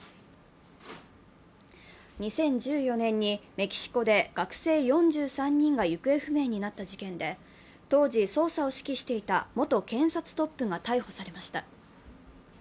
２０１４年にメキシコで学生４３人が行方不明になった事件で当時、捜査を指揮していた元検察トップが逮捕されました。